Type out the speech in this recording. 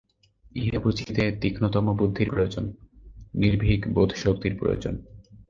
ইহা বুঝিতে তীক্ষ্ণতম বুদ্ধির প্রয়োজন, নির্ভীক বোধশক্তির প্রয়োজন।